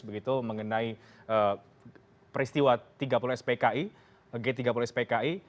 begitu mengenai peristiwa g tiga puluh s pki